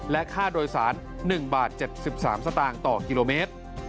และค่าโดยสาร๑บาท๗๓สตางค์ต่อกิโลเมตร